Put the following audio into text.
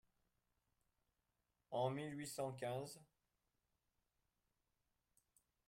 En mille huit cent quinze